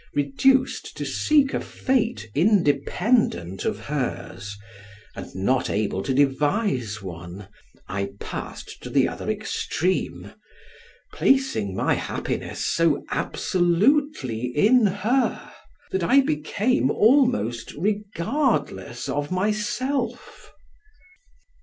Reduced to seek a fate independent of hers, and not able to devise one, I passed to the other extreme, placing my happiness so absolutely in her, that I became almost regardless of myself.